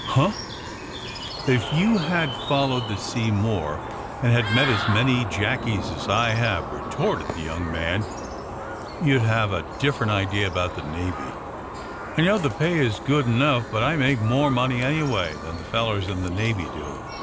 *^Huh! If you had followed the sea more, and had met as many jackies as I have,^' re torted the young man, *' you'd have a different AND THE SMUGGLEKS 39 idea about the Navy. I know the pay is good enough, but I make more money, anyway, than the fellers in the Navy do.